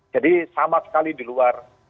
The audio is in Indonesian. jadi sama sekali di luar